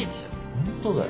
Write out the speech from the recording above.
ホントだよ。